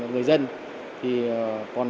người dân thì còn